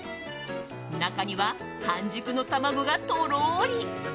中には、半熟の卵がとろり。